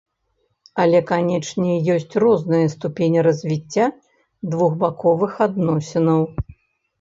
Але канечне, ёсць розныя ступені развіцця двухбаковых адносінаў.